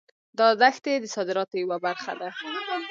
دا دښتې د صادراتو یوه برخه ده.